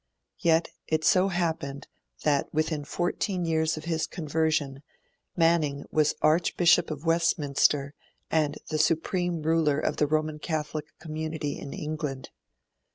Yet it so happened that within fourteen years of his conversion Manning was Archbishop of Westminster and the supreme ruler of the Roman Catholic community in England.